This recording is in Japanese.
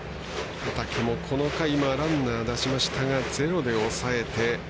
畠も、この回はランナー出しましたがゼロで抑えて。